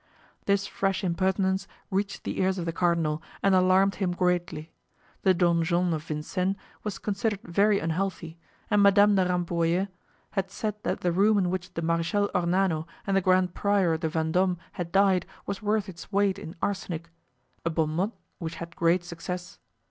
This fresh impertinence reached the ears of the cardinal and alarmed him greatly. The donjon of Vincennes was considered very unhealthy and Madame de Rambouillet had said that the room in which the Marechal Ornano and the Grand Prior de Vendome had died was worth its weight in arsenic—a bon mot which had great success.